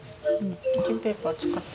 キッチンペーパー使って。